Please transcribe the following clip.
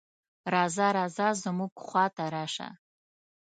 "راځه راځه زموږ خواته راشه".